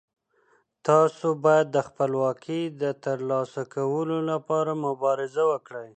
تاسو باید د خپلواکۍ د ترلاسه کولو لپاره مبارزه وکړئ.